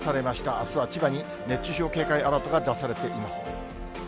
あすは千葉に熱中症警戒アラートが出されています。